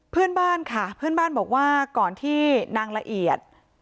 เพื่อนบ้านค่ะเพื่อนบ้านบอกว่าก่อนที่นางละเอียด